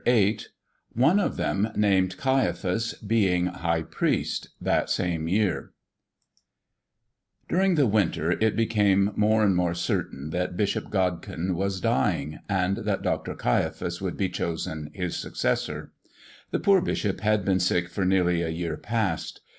VIII ONE OF THEM NAMED CAIAPHAS BEING HIGH PRIEST THAT SAME YEAR DURING the winter it became more and more certain that Bishop Godkin was dying, and that Dr. Caiaphas would be chosen his successor. The poor bishop had been sick for nearly a year past.